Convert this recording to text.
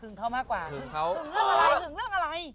ถึงเขามากกว่าถึงเรื่องอะไร